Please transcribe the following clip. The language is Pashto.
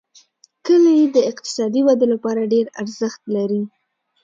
کلي د اقتصادي ودې لپاره ډېر ارزښت لري.